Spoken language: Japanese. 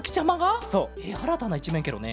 えっあらたないちめんケロね。